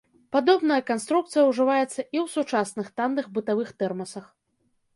Падобная канструкцыя ўжываецца і ў сучасных танных бытавых тэрмасах.